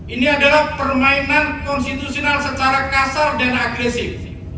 ini adalah permainan konstitusional secara kasar dan agresif